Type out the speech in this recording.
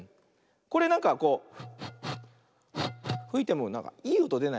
これなんかこうふいてもなんかいいおとでないね。